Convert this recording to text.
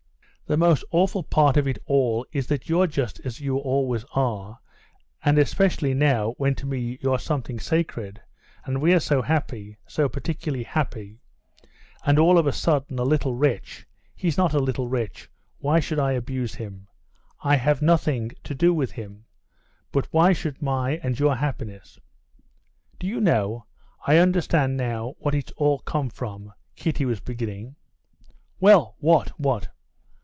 "The most awful part of it all is that you're just as you always are, and especially now when to me you're something sacred, and we're so happy, so particularly happy—and all of a sudden a little wretch.... He's not a little wretch; why should I abuse him? I have nothing to do with him. But why should my, and your, happiness...." "Do you know, I understand now what it's all come from," Kitty was beginning. "Well, what? what?"